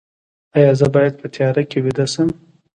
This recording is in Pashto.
ایا زه باید په تیاره کې ویده شم؟